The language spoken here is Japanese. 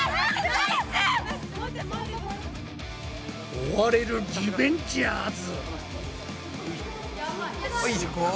追われるリベンジャーズ。